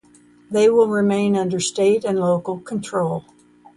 They will remain under state and local control.